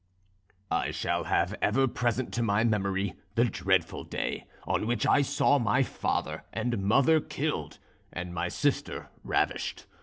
"I shall have ever present to my memory the dreadful day, on which I saw my father and mother killed, and my sister ravished.